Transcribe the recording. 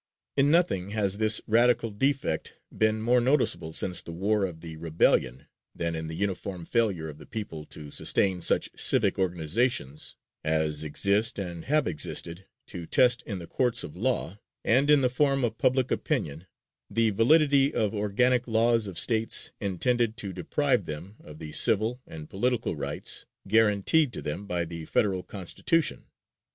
In nothing has this radical defect been more noticeable since the War of the Rebellion than in the uniform failure of the people to sustain such civic organizations as exist and have existed, to test in the courts of law and in the forum of public opinion the validity of organic laws of States intended to deprive them of the civil and political rights guaranteed to them by the Federal Constitution.